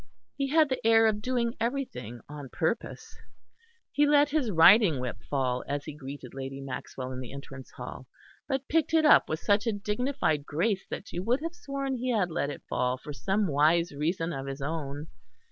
He had the air of doing everything on purpose. He let his riding whip fall as he greeted Lady Maxwell in the entrance hall; but picked it up with such a dignified grace that you would have sworn he had let it fall for some wise reason of his own.